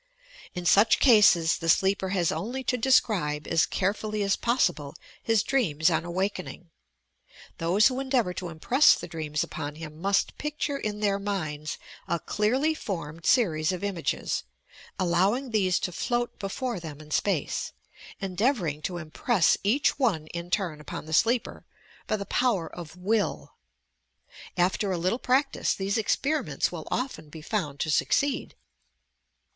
In such cases the sleeper has only to deseribe as care fully as possible his dreams on awakening. Those who endeavour to impress the dreams upon him must picture in their minds a clearly formed series ot images — al lowing these to float before them in space, endeavouring to impress each one in turn upon the sleeper by the power of will. After a little practice these experimenta will often be found to succeed.